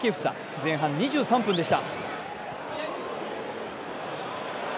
前半２３分でした。